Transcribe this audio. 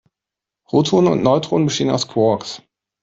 Protonen und Neutronen bestehen aus Quarks.